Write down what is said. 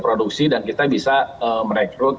produksi dan kita bisa merekrut